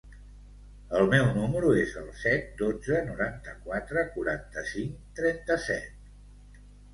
El meu número es el set, dotze, noranta-quatre, quaranta-cinc, trenta-set.